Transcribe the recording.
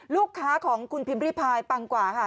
ลูกค้าของคุณพิมพ์ริพายปังกว่าค่ะ